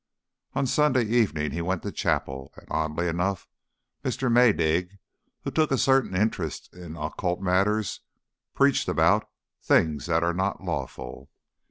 On Sunday evening he went to chapel, and oddly enough, Mr. Maydig, who took a certain interest in occult matters, preached about "things that are not lawful."